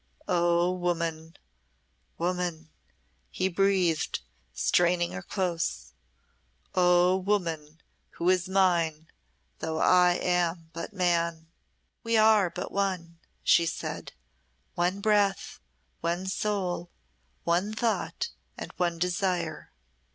"Oh, woman! woman!" he breathed, straining her close. "Oh, woman who is mine, though I am but man." "We are but one," she said; "one breath, one soul, one thought, and one desire.